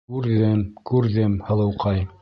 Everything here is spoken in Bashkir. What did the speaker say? — Күрҙем, күрҙем, һылыуҡай.